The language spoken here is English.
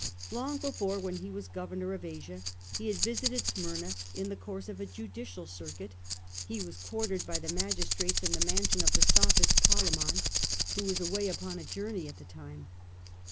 Long before, when he was governor of Asia, and had visited Smyrna in the course of a judicial which circuit, he was quartered by the magistrates gave^a mansion of the sophist Polemon, who slight. was away upon a journey at the time.